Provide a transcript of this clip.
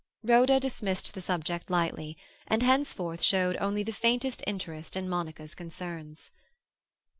Rhoda dismissed the subject lightly, and henceforth showed only the faintest interest in Monica's concerns.